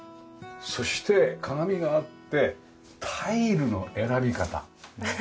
そして鏡があってタイルの選び方。